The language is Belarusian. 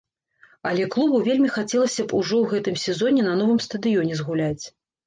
Але клубу вельмі хацелася б ужо ў гэтым сезоне на новым стадыёне згуляць.